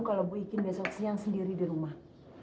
kalau bu ikin besok siang sendiri di rumah